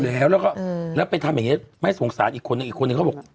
แล้วก็แล้วไปทำอย่างนี้ไม่สงสารอีกคนนึงอีกคนนึงเขาบอก